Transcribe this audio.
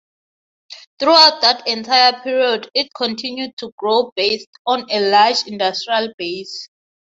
Throughout that entire period, it continued to grow based on a large industrial base.